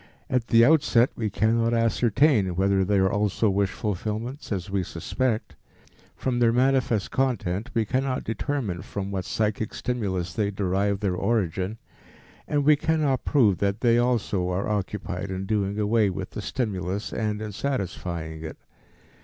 At the outset we cannot ascertain whether they are also wish fulfillments, as we suspect; from their manifest content we cannot determine from what psychic stimulus they derive their origin, and we cannot prove that they also are occupied in doing away with the stimulus and in satisfying it.